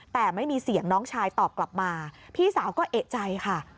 แต่ไม่มีเสียงน้องชายตอบกลับมาพี่สาวก็เอกใจค่ะ